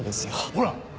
ほら！